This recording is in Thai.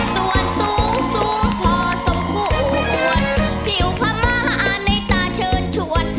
ส่วนสูงสูงพอสมควรผิวพม่าในตาเชิญชวน